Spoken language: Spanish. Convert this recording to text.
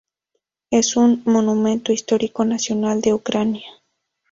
Es un monumento histórico nacional de Ucrania.